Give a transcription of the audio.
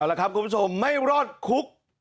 เอาละครับคุณผู้ชมไม่รอดคุก